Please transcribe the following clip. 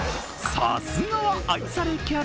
さすがは愛されキャラ。